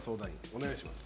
お願いします。